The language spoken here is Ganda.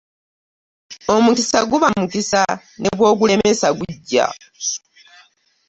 Omukisa guba mukisa ne bw'ogulemesa gujja.